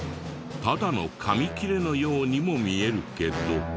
ただの紙切れのようにも見えるけど。